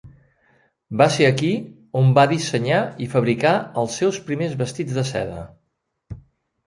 Va ser aquí on va dissenyar i fabricar els seus primers vestits de seda.